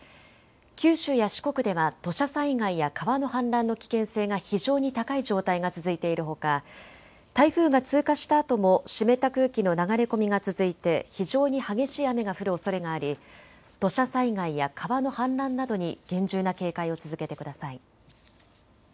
九州や四国では土砂災害や川の氾濫の危険性が非常に高い状態が続いているほか台風が通過したあとも湿った空気の流れ込みが続いて非常に激しい雨が降るおそれがあり土砂災害や川の氾濫などに厳重な警戒を続けてください。